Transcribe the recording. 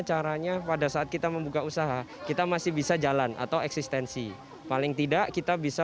caranya pada saat kita membuka usaha kita masih bisa jalan atau eksistensi paling tidak kita bisa